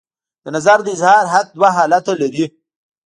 د نظر د اظهار حق دوه حالته لري.